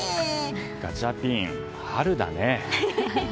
ガチャピン、春だね。